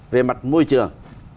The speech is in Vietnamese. về mặt môi trường